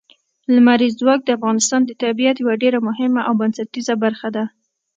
لمریز ځواک د افغانستان د طبیعت یوه ډېره مهمه او بنسټیزه برخه ده.